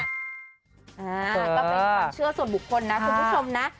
ก็เป็นความเชื่อส่วนบุคคลนะคุณผู้ชมนะ